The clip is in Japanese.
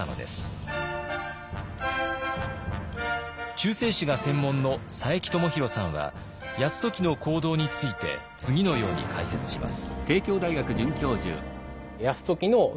中世史が専門の佐伯智広さんは泰時の行動について次のように解説します。